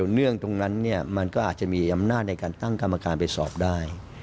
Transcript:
เรื่องตรงนั้นมันก็อาจจะมีอำนาจในการตั้งกรรมการไปสอบได้